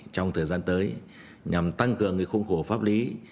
trong thời gian tới nhằm tăng cường khung khổ pháp lý